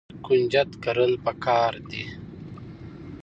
کنجد کرل پکار دي.